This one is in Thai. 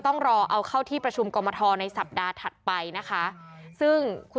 ต้องรอเอาเข้าที่ประชุมกรมทรในสัปดาห์ถัดไปนะคะซึ่งคุณ